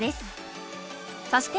そして